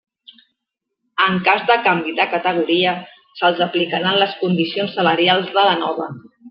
En cas de canvi de categoria, se'ls aplicaran les condicions salarials de la nova.